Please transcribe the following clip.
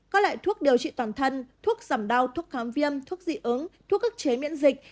có lại thuốc điều trị toàn thân thuốc giảm đau thuốc khám viêm thuốc dị ứng thuốc ức chế miễn dịch